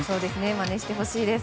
まねしてほしいです。